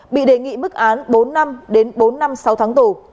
bị đề nghị mức án bốn năm đến bốn năm sáu tháng tù